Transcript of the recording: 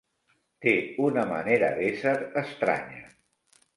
Té una manera d'ésser estranya.